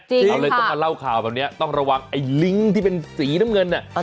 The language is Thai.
จริงค่ะเราต้องมาเล่าข่าวแบบนี้ต้องระวังไอลิ้งที่เป็นสีน้ำเงินนี่